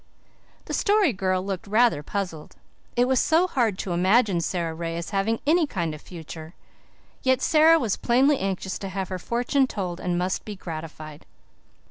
The Story Girl looked rather puzzled. It was so hard to imagine Sara Ray as having any kind of future. Yet Sara was plainly anxious to have her fortune told and must be gratified.